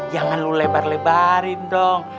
jangan lu lebar lebarin dong